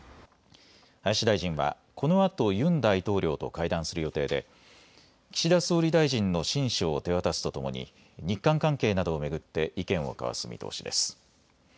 林大臣はこのあとユン大統領と会談する予定で岸田総理大臣の親書を手渡すとともに日韓関係などを巡って意見を交わす見通しです。